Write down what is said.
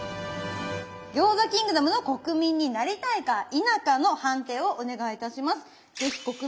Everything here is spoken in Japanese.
餃子キングダムの国民になりたいか否かの判定をお願いいたします。